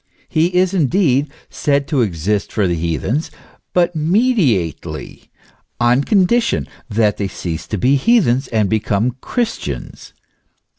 He is, indeed, said to exist for the heathens ; but mediately, on condition that they cease to be heathens, and become Christians.